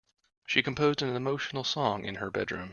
She composed an emotional song in her bedroom.